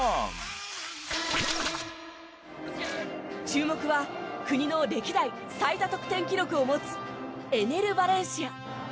注目は国の歴代最多得点記録を持つエネル・バレンシア。